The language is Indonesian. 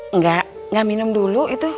enggak enggak minum dulu itu